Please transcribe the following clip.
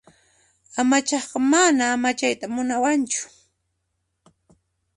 Amachaqqa mana amachayta munawanchu.